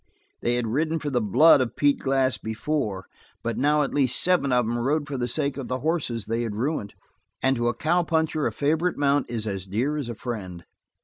They had ridden for the blood of Pete Glass before, but now at least seven of them rode for the sake of the horses they had ruined, and to a cow puncher a favorite mount is as dear as a friend.